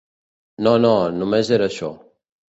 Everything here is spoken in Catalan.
No no, només era això.